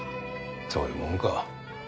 そういうもんか。